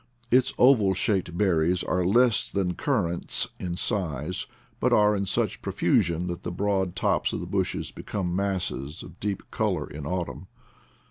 Its oval shaped berries are less than currants in size; but are in such pro fusion that the broad tops of the bushes become masses of deep color in autumn.